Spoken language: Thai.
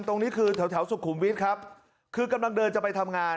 ตรงนี้คือแถวแถวสุขุมวิทย์ครับคือกำลังเดินจะไปทำงาน